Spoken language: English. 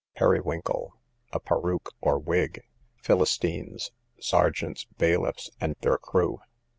Periwinkle, a peruke or wig. Philistines, sergeants, bailiffs, and their crew.